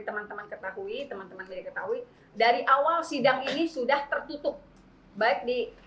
teman teman ketahui teman teman dari ketahui dari awal sidang ini sudah tertutup baik di